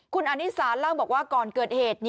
คุณอนิสานเล่าบอกว่าก่อนเกิดเหตุ